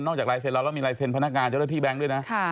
นอกจากลายเซ็นต์เราแล้วมีลายเซ็นต์พนักงานเจ้าเรือที่แบงค์ด้วยนะ